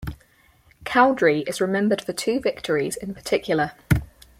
Cowdrey is remembered for two victories in particular.